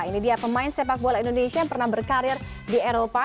ini dia pemain sepak bola indonesia yang pernah berkarir di eropa